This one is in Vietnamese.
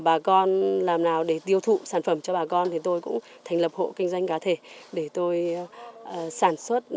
bà con làm nào để tiêu thụ sản phẩm cho bà con thì tôi cũng thành lập hộ kinh doanh cá thể để tôi sản xuất